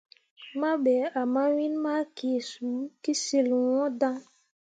Mah be ah mawin ma kee suu ye kəsyil ŋwəə daŋ.